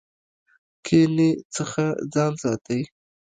کینې څخه ځان ساتئ